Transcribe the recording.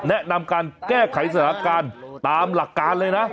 แนะนำการแก้ไขสถานการณ์ตามหลักการเลยนะ